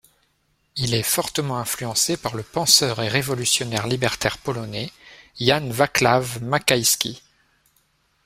Il est fortement influencé par le penseur et révolutionnaire libertaire polonais Jan Waclav Makhaïski.